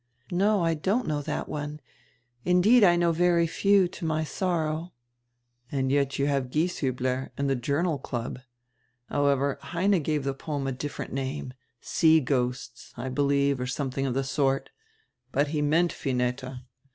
"No, I don't know that one; indeed I know very few, to my sorrow." "And yet you have Gieshiihler and the Journal Cluh. However, Heine gave the poem a different name, 'Sea Ghosts,' I helieve, or something of the sort. But he meant Vineta.